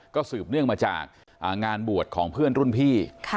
ก็สืบเนื่องมาจากงานบวชของเพื่อนรุ่นพี่